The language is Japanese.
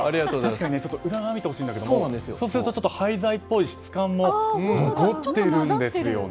確かに裏側見てほしいんですけど廃材っぽい質感も残ってるんですよね。